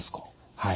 はい。